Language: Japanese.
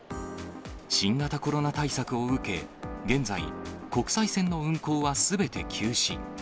新型コロナ対策を受け、現在、国際線の運航はすべて休止。